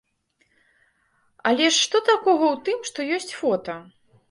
Але ж што такога ў тым, што ёсць фота?